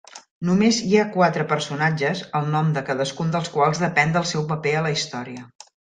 Només hi ha quatre personatges, el nom de cadascun dels quals depèn del seu paper a la història.